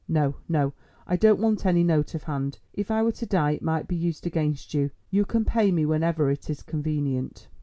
No, no, I don't want any note of hand. If I were to die it might be used against you. You can pay me whenever it is convenient."